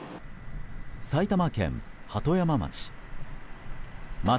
埼玉県鳩山町。